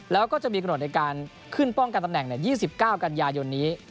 แล้วก็จะมีกำหนดในการขึ้นป้องกันตำแหน่ง๒๙กันยายนนี้